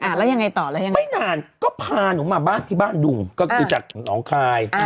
แล้วยังไงต่อแล้วยังไงไม่นานก็พาหนูมาบ้านที่บ้านดุงก็คือจากหนองคาย